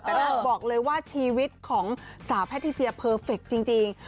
แต่บอกเลยว่าชีวิตของสาวแพทิเซียเพอร์เฟคจริง